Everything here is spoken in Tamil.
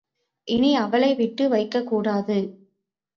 இனி அவளைவிட்டு வைக்கக்கூடாது.